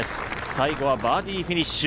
最後はバーディーフィニッシュ。